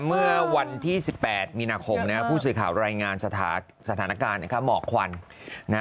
เมื่อวันที่๑๘มีนาคมผู้สื่อข่าวรายงานสถานการณ์หมอกควัน